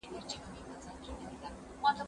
زه به سبا ږغ واورم!.